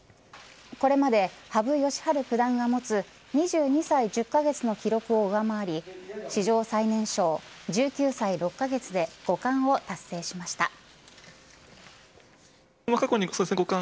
これまで、羽生善治九段が持つ２２歳１０カ月の記録を上回り史上最年少１９歳６カ月で五冠を達成しました。